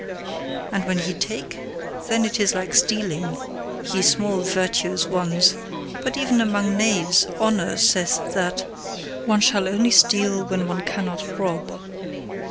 And when ye take, then is it like stealing, ye small virtuous ones; but even among knaves HONOUR saith that "one shall only steal when one cannot rob."